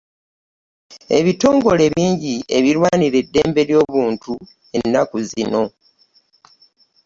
Ebitongole bingi ebirwanira eddembe ly'obuntu ennaku zino.